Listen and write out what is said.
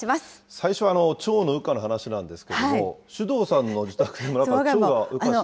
最初はチョウの羽化の話なんですけれども、首藤さんの自宅で、なんか羽化した？